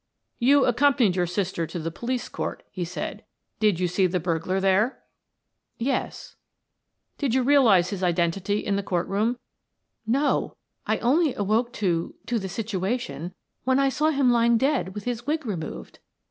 "You accompanied your sister to the police court," he said. "Did you see the burglar there?" "Yes." "Did you realize his identity in the court room?" "No. I only awoke to to the situation when I saw him lying dead with his wig removed.